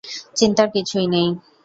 চিন্তার কিছুই নেই।